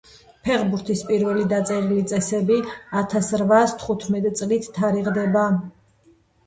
ფეხბურთის პირველი დაწერილი წესები ათას რვაას თხუტმეტ წლით თარიღდება.